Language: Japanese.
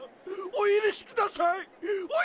おゆるしください！